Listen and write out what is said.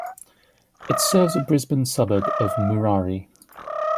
It serves the Brisbane suburb of Murarrie.